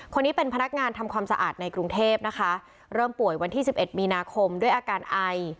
คนนี้เป็นพนักงานทำความสะอาดในกรุงเทพนะคะเริ่มป่วยวันที่สิบเอ็ดมีนาคมด้วยอาการไอ